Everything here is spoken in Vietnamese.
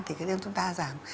thì cái đấy chúng ta giảm